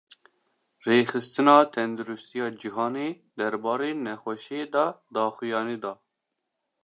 Rêxistina Tendurustiya Cîhanî, derbarê nexweşiyê de daxuyanî da